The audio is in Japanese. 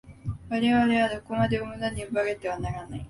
我々はどこまでも物に奪われてはならない。